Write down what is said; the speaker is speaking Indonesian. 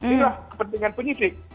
inilah kepentingan penyisik